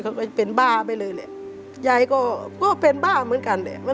เขาก็เป็นบ้าไปเลยยายก็เป็นบ้าเหมือนกัน